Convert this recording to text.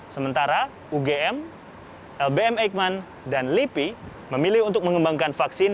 sementara ugm lbm eijkman dan lipi memilih untuk mengembangkan vaksin